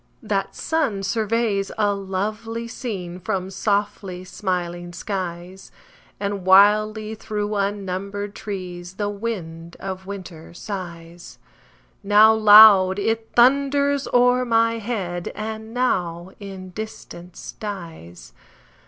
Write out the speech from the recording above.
That sun surveys a lovely scene From softly smiling skies; And wildly through unnumbered trees The wind of winter sighs: Now loud, it thunders o'er my head, And now in distance dies.